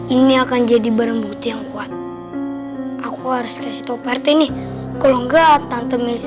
ini akan jadi barang bukti yang kuat aku harus kasih toparti nih kalau enggak tante